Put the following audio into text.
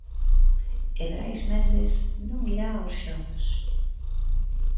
E Brais Méndez non irá aos xogos.